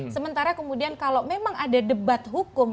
sementara kemudian kalau memang ada debat hukum